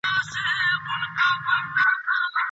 د معلولینو وړتیاوي باید له پامه ونه غورځول سي.